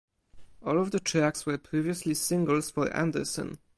All of the tracks were previously singles for Anderson.